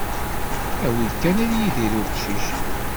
Awid kan ad yidir uqcic.